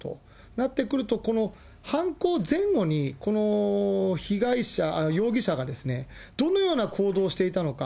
なってくると、この犯行前後にこの容疑者がどのような行動をしていたのか。